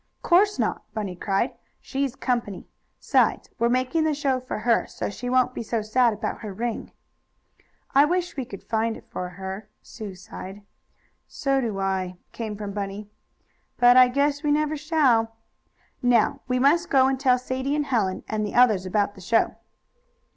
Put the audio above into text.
"Course not!" Bunny cried. "She's company. 'Sides, we're making the show for her, so she won't be so sad about her ring." "I wish we could find it for her," Sue sighed. "So do I," came from Bunny. "But I guess we never shall. Now we must go and tell Sadie and Helen and the others about the show."